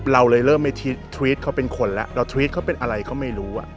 เราเลยเริ่มไม่ทรีดเขาเป็นคนแล้วเราทรีดเขาเป็นอะไรก็ไม่รู้